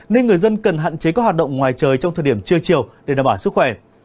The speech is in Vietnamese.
nên người dân cần hạn chế các hoạt động ngoài trời trong thời điểm trưa chiều để đảm bảo sức khỏe